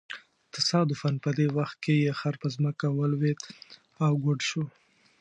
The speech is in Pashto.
تصادفاً په دې وخت کې یې خر په ځمکه ولویېد او ګوډ شو.